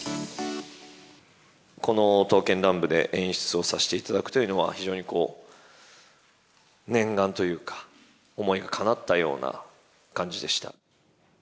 この刀剣乱舞で演出をさせていただくというのは、非常に、こう念願というか、思いがかなったような感じでした。